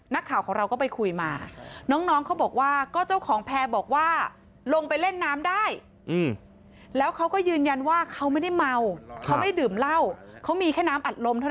นักข่าวของเราก็ไปคุยมา